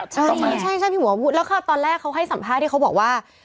ต้องมั้ยใช่พี่หมูพูดแล้วครับตอนแรกเขาให้สัมภาษณ์ที่เขาบอกว่า